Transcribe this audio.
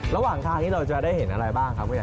ระหว่างทางนี้เราจะได้เห็นอะไรบ้างครับผู้ใหญ่